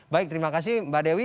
baik terima kasih mbak dewi